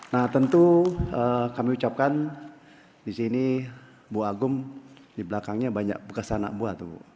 nah tentu kami ucapkan disini bu agung dibelakangnya banyak bekas anak buah tuh